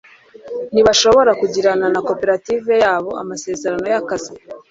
ntibashobora kugirana na koperative yabo amasezerano y'akazi